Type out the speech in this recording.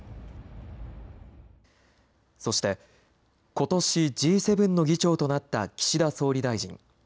そして、ことしＧ７の議長となった岸田総理大臣。